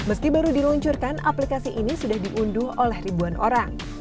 meski baru diluncurkan aplikasi ini sudah diunduh oleh ribuan orang